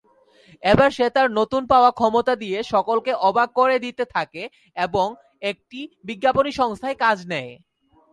এবার সে তার নতুন পাওয়া ক্ষমতা দিয়ে সকলকে অবাক করে দিতে থাকে এবং একটি বিজ্ঞাপনী সংস্থায় কাজ নেয়।